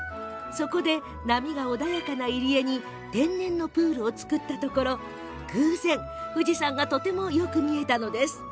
波が穏やかな入り江に天然のプールを造ったところ偶然、富士山がとてもよく見えたのです。